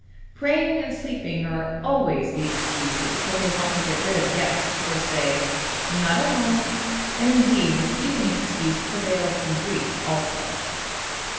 Praying and sleeping are always the excuses when they want to get rid of guests or say 'not at home,' and indeed the sleeping excuse prevails in Greece also.